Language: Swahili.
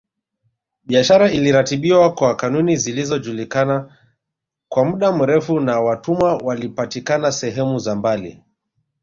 Biashara iliratibiwa kwa kanuni zilizojulikana kwa muda mrefu na watumwa walipatikana sehemu za mbali